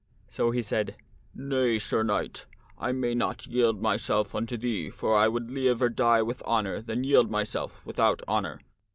So he said, " Nay, Sir Knight, I may not yield myself unto thee for I would liever die with honor than yield myself without honor.